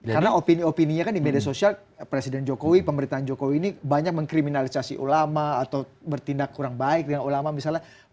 karena opini opininya kan di media sosial presiden jokowi pemerintahan jokowi ini banyak mengkriminalisasi ulama atau bertindak kurang baik dengan ulama misalnya